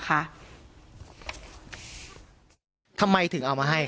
การแก้เคล็ดบางอย่างแค่นั้นเอง